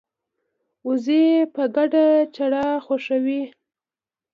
وزې په ګډه چرا خوښوي